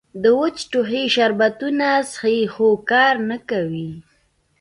د وچ ټوخي شربتونه څښي خو کار نۀ کوي